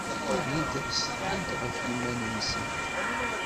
Ugint ad setḥint ɣef yiman-nsent.